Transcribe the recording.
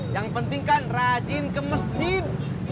yang penting kan rajin ke masjid